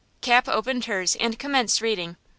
Cap opened hers and commenced reading.